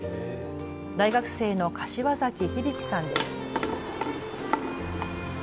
大学生の柏崎響さんです。